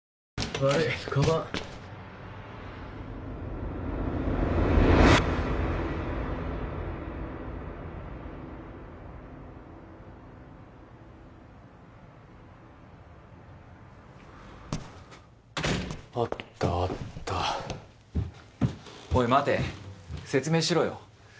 悪いカバンあったあったおい待て説明しろよ